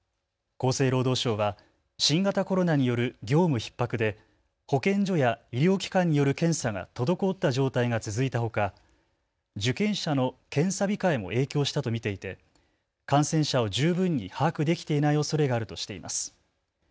厚生労働省は新型コロナによる業務ひっ迫で保健所や医療機関による検査が滞った状態が続いたほか、受検者の検査控えも影響したと見ていて、感染者を十分に把握できていないおそれがあるとしています。